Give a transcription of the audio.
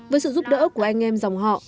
với sự giúp đỡ của anh em dòng họ